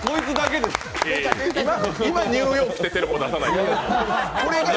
今、ニューヨークってテロップ出さないと。